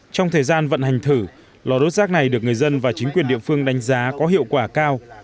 trong thời gian vận hành thử lò đốt rác này được người dân và chính quyền địa phương đánh giá có hiệu quả cao